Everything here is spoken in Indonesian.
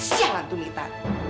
sialan tuh dita